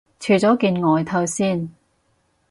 除咗件外套先